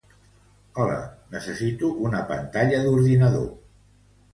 Hola, necessito una pantalla d'ordinador.